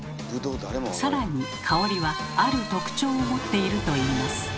さらに香りはある特徴を持っているといいます。